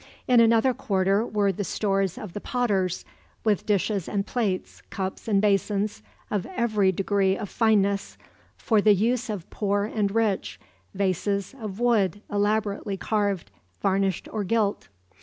In another quarter were the stores of the potters, with dishes and plates, cups and basins of every degree of fineness, for the use of poor and rich, vases of wood elaborately carved, varnished or gilt.